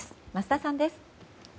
桝田さんです。